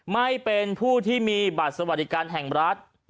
ไม่เป็นผู้ที่มีบัตรสวัสดิการแห่งรัฐ